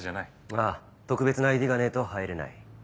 ああ特別なＩＤがねえと入れない。